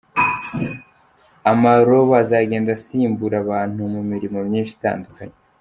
Amarobo azagenda asimbura abantu mu mirimo myinshi itandukanye.